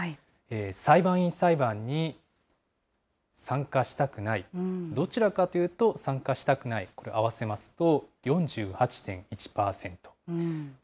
裁判員裁判に参加したくない、どちらかというと参加したくない、これ、合わせますと４８．１％。